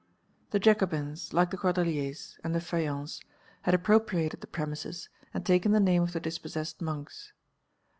The Jacobins, like the Cordeliers, and the Feuillants, had appropriated the premises and taken the name of the dispossessed monks.